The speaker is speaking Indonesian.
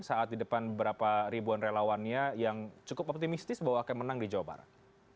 saat di depan beberapa ribuan relawannya yang cukup optimistis bahwa akan menang di jawa barat